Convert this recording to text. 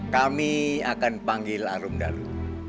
kami akan panggil arum dalu